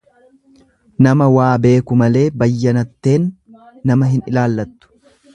Nama waa beeku malee bayyanatteen nama hin ilaallattu.